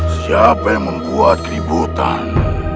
siapa yang membuat keributan